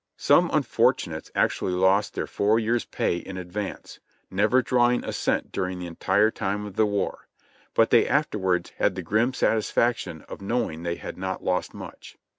Some unfortunates actually lost their four years' pay in ad vance, never drawing a cent during the entire time of the war; but they afterwards had the grim satisfaction of knowing they had not lost much.